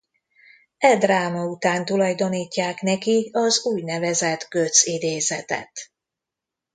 E dráma után tulajdonítják neki az úgynevezett Götz-idézetet.